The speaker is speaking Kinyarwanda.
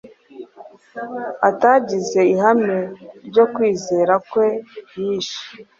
atagize ihame ryo kwizera kwe yishe;